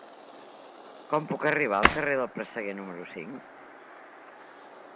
Com puc arribar al carrer del Presseguer número cinc?